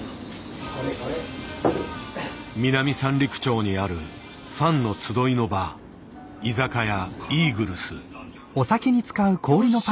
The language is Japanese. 南三陸町にあるファンの集いの場居酒屋鷲巣。